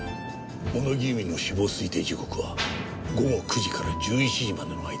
小野木由美の死亡推定時刻は午後９時から１１時までの間。